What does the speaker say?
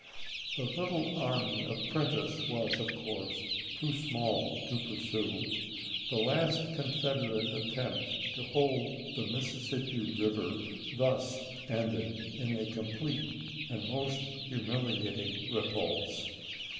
The little army of Prentiss was, of course, too small to pursue. The last Confederate attempt to hold the Mississippi River thus ended in a complete and most humiliating repulse.